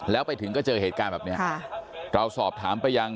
แล้วไปถึงก็เจอเหตุการณ์แบบนี้เราสอบถามไปยัง